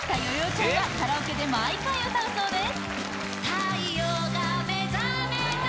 ちゃんはカラオケで毎回歌うそうです